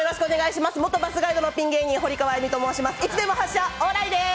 元バスガイドのピン芸人堀川絵美です。